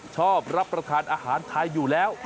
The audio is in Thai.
ชอบรับประทานอาหารไทยอยู่แล้ว